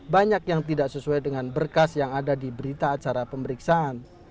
banyak yang tidak sesuai dengan berkas yang ada di berita acara pemeriksaan